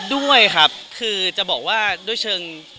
ด้วยครับคือจะบอกว่าด้วยเชิง